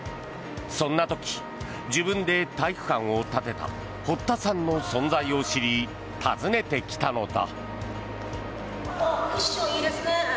そんな時、自分で体育館を建てた堀田さんの存在を知り訪ねてきたのだ。